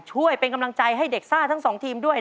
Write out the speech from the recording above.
ช่วยเป็นกำลังใจให้เด็กซ่าทั้งสองทีมด้วย